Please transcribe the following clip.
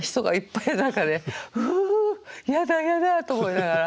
ううやだやだと思いながら。